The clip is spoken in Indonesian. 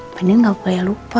mbak andien gak payah lupa